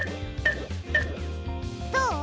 どう？